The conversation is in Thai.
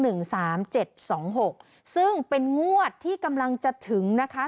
หนึ่งสามเจ็ดสองหกซึ่งเป็นงวดที่กำลังจะถึงนะคะ